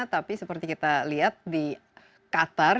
tapi seperti kita lihat di qatar